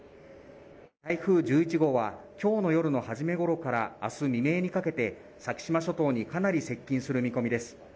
台風１１号はきょうの夜の初めごろからあす未明にかけて先島諸島にかなり接近する見込みです